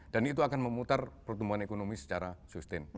dan itu akan memutar pertumbuhan ekonomi secara sustain